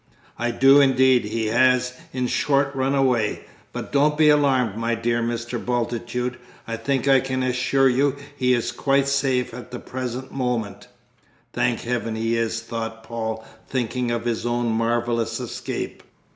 "I do indeed; he has, in short, run away. But don't be alarmed, my dear Mr. Bultitude, I think I can assure you he is quite safe at the present moment" ("Thank Heaven, he is!" thought Paul, thinking of his own marvellous escape).